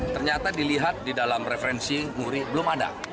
ternyata dilihat di dalam referensi muri belum ada